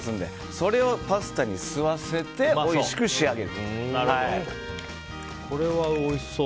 それをパスタに吸わせておいしく仕上げるという。